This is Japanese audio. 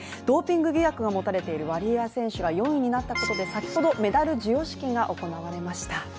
ドーピング疑惑が持たれているワリエワ選手が４位になったことで先ほどメダル授与式が行われました。